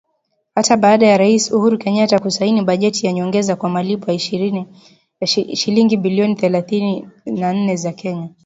Hata baada ya Rais Uhuru Kenyatta kusaini bajeti ya nyongeza kwa malipo ya shilingi bilioni thelathini na nne za Kenya